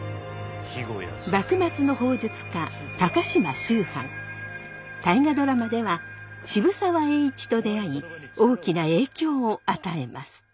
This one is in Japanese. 幕末の砲術家「大河ドラマ」では渋沢栄一と出会い大きな影響を与えます。